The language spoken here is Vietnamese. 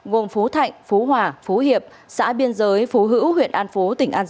gồm phú thạnh phú hòa phú hiệp xã biên giới phú hữu